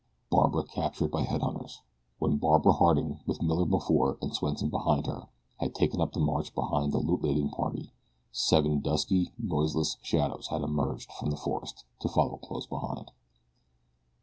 BARBARA CAPTURED BY HEAD HUNTERS WHEN Barbara Harding, with Miller before and Swenson behind her, had taken up the march behind the loot laden party seven dusky, noiseless shadows had emerged from the forest to follow close behind.